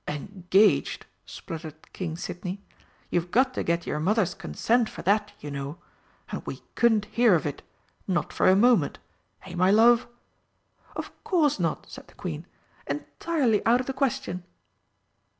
"Engaged!" spluttered King Sidney. "You've got to get your Mother's consent for that, you know. And we couldn't hear of it. Not for a moment! Eh, my love?" "Of course not!" said the Queen. "Entirely out of the question!"